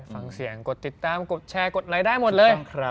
ฟังเสียงกดติดตามกดแชร์กดไลค์ได้หมดเลย